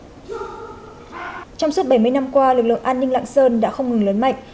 trong suốt bảy mươi năm qua lực lượng an ninh lạng sơn đã không ngừng lớn mạnh